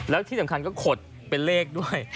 แล้วที่สำคัญก็ขดเป็นเลขด้วย